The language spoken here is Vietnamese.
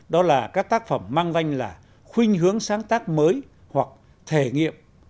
đó là các tác phẩm mang danh là khuyên hướng sáng tác mới hoặc thể nghiệm